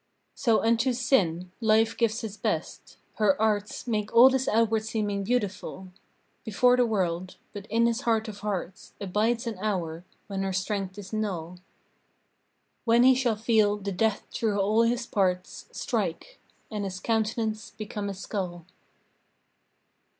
So unto Sin Life gives his best. Her arts Make all his outward seeming beautiful Before the world; but in his heart of hearts Abides an hour when her strength is null; When he shall feel the death through all his parts Strike, and his countenance become a skull.